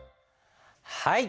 はい。